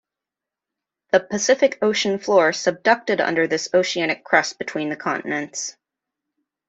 The Pacific Ocean floor subducted under this oceanic crust between the continents.